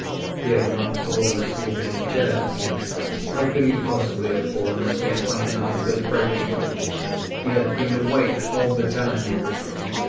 He had not fallen asleep in his chair. How could he possibly have fallen asleep when his heart was breaking? He had been awake all the time.